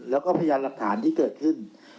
แล้วก็พยานหลักฐานที่เกิดขึ้น